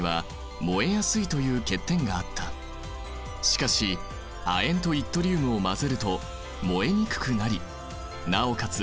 しかし亜鉛とイットリウムを混ぜると燃えにくくなりなおかつ